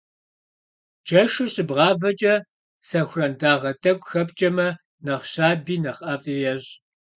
Джэшыр щыбгъавэкӀэ сэхуран дагъэ тӀэкӀу хэпкӀэмэ, нэхъ щаби, нэхъ ӀэфӀи ещӀ.